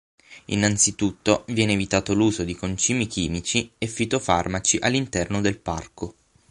Innanzitutto viene evitato l'uso di concimi chimici e fitofarmaci all'interno del parco.